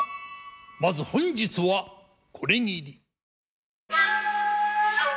まず本日はこれぎり。